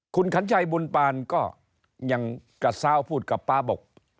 คุณขัญชัยบุญปานก็ยังกระซาวพูดกับป๊าบอก